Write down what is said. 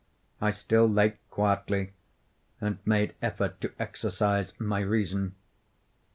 I still lay quietly, and made effort to exercise my reason.